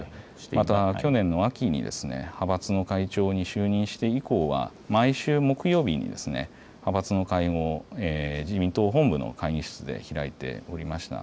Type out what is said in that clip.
また去年の秋に派閥の会長に就任して以降は、毎週木曜日に派閥の会合、自民党本部の会議室で開いておりました。